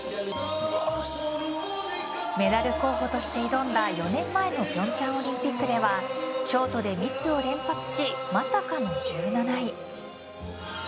メダル候補として挑んだ４年前の平昌オリンピックではショートでミスを連発しまさかの１７位。